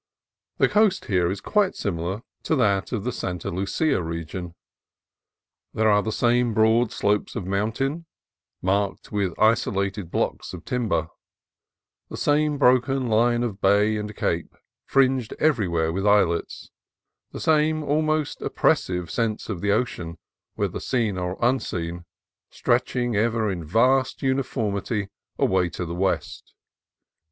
The coast here is quite similar to that of 260 CALIFORNIA COAST TRAILS the Santa Lucia region. There are the same broad slopes of mountain, marked with isolated blocks of timber; the same broken line of bay and cape, fringed everywhere with islets; the same almost op pressive sense of the ocean, whether seen or unseen, stretching ever in vast uniformity away to the west.